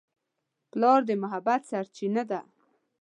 پلار د محبت سرچینه ده.